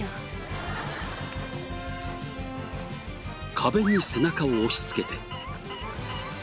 壁に背中を押し付けて。